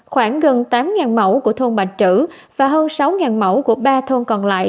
khoảng gần tám mẫu của thôn bạch trữ và hơn sáu mẫu của ba thôn còn lại